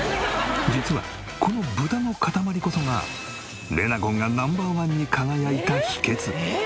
実はこの豚の塊こそがレナゴンがＮｏ．１に輝いた秘訣。